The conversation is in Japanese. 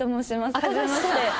はじめまして。